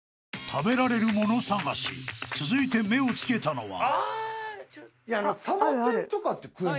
［食べられる物探し続いて目を付けたのは］